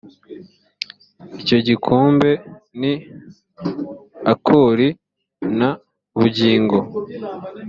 icyo gikombe ni akori na bugingo